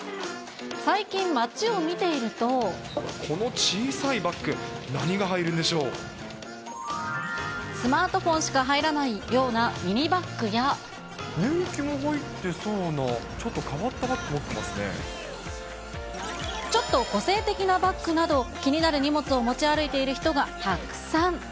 この小さいバッグ、何が入るスマートフォンしか入らない年季の入ってそうな、ちょっちょっと個性的なバッグなど、気になる荷物を持ち歩いている人がたくさん。